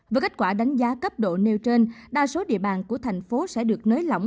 với kết quả đánh giá cấp độ nêu trên đa số địa bàn của thành phố sẽ được nới lỏng